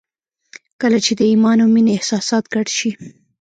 کله چې د ایمان او مینې احساسات ګډ شي